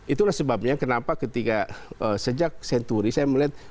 itulah sebabnya kenapa ketika sejak senturi saya melihat